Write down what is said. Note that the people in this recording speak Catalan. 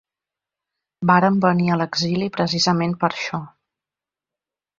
Vàrem venir a l’exili precisament per això.